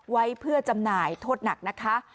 ไว้เพื่อจำหน่ายโทษหนักนะคะ